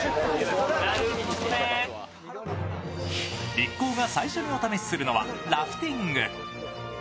一行が最初にお試しするのはラフティング。